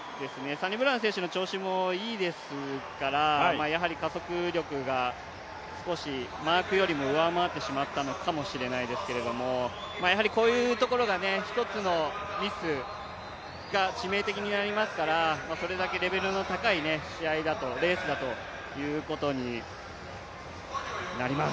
サニブラウン選手の調子もいいですから、加速力が少しマークよりも上回ってしまったのかもしれないですけども、やはりこういうところが一つのミスが致命的になりますからそれだけレベルの高いレースだということになります。